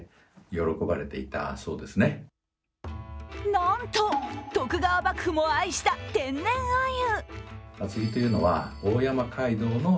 なんと、徳川幕府も愛した天然あゆ。